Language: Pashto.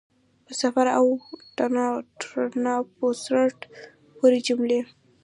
په سفر او ټرانسپورټ پورې جملې